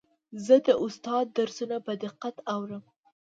زه د استاد درسونه په دقت اورم.